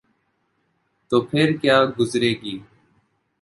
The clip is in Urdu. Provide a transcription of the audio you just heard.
تو پھرکیا گزرے گی؟